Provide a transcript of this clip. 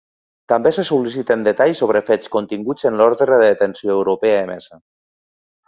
També se sol·liciten detalls sobre fets continguts en l’ordre de detenció europea emesa.